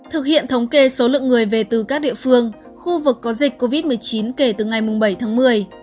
thực hiện thống kê số lượng người về từ các địa phương khu vực có dịch covid một mươi chín kể từ ngày bảy tháng một mươi